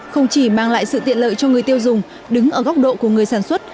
không chỉ mang lại sự tiện lợi cho người tiêu dùng đứng ở góc độ của người sản xuất